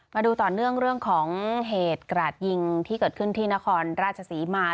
มาดูต่อเนื่องเรื่องของเหตุกราดยิงที่เกิดขึ้นที่นครราชศรีมา